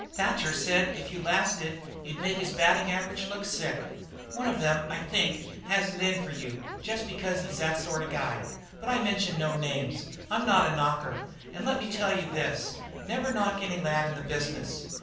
Thatcher said if you lasted you 'd make his batting average look sick. One of them, I think, has it in for you just because he's that sort of a guy. But I mention no names. I'm not a knocker, and let me tell you this never knock any lad in the business.